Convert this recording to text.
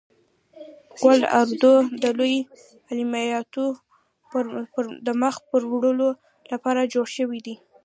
قول اردو د لوی عملیاتو د پرمخ وړلو لپاره جوړ شوی دی.